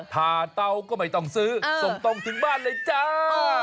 ทาเตาก็ไม่ต้องซื้อส่งตรงถึงบ้านเลยจ้า